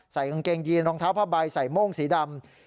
ใส่กางเกงยีนรองเท้าผ้าใบใส่โม่งสีดำ